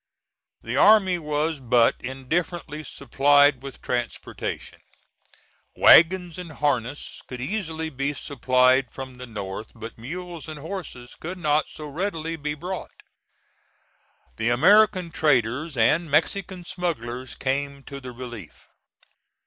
The army was but indifferently supplied with transportation. Wagons and harness could easily be supplied from the north but mules and horses could not so readily be brought. The American traders and Mexican smugglers came to the relief.